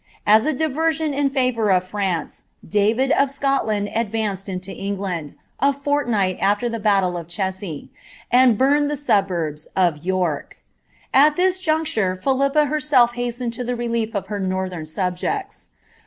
As a di version iu favour of France. David of Scotland advanced into En^Uod, & foiinigbl after the battle of Cressy, and bunted the suburbs of York At this juncture Philippa herself hastened to ihe relief of her nortbtn subjects.